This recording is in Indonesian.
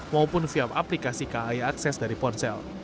maupun via aplikasi kai akses dari ponsel